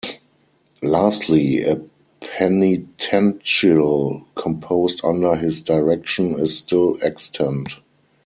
Lastly, a penitential composed under his direction is still extant.